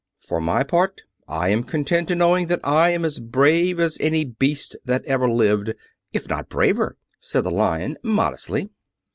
"For my part, I am content in knowing I am as brave as any beast that ever lived, if not braver," said the Lion modestly.